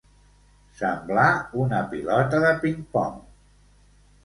Semblar una pilota de ping-pong.